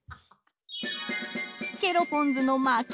ケロポンズの負け。